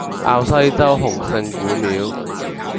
滘西洲洪聖古廟